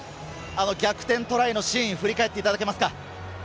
逆転トライのシーンを振り返っていただけますか？